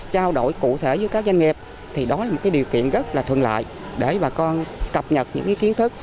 trao đổi cụ thể với các doanh nghiệp thì đó là một điều kiện rất là thuận lợi để bà con cập nhật những kiến thức